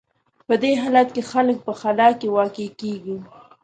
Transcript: په دې حالت کې خلک په خلا کې واقع کېږي.